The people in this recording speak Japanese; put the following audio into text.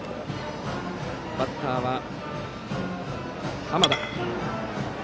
バッターは濱田。